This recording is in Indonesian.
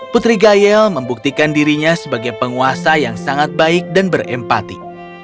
putri gayel membuktikan dirinya sebagai penguasa yang sangat baik dan berempati